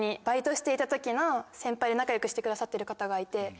バイトしていた時の先輩で仲良くしてくださってる方がいて。